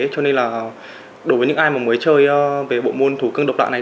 cho nên là đối với những ai mới chơi bộ môn thủ cưng độc lạ này